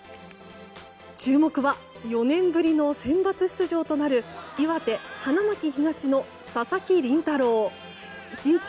注目は４年ぶりのセンバツ出場となる岩手、花巻東の佐々木麟太郎。